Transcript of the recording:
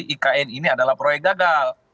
ikn ini adalah proyek gagal